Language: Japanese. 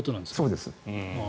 そうです。